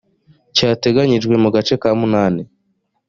cyateganijwe mu gace ka munani